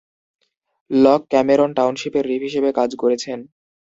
Lock Cameron টাউনশিপের reeve হিসেবে কাজ করেছেন।